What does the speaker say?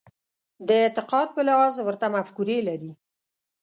د اعتقاد په لحاظ ورته مفکورې لري.